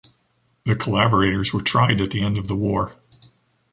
The collaborators were tried at the end of the war.